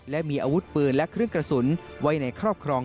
และมีอาวุธปืนและเครื่องกระสุนไว้ในครอบครอง